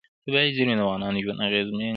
طبیعي زیرمې د افغانانو ژوند اغېزمن کوي.